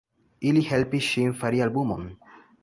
Ili helpis ŝin fari albumon.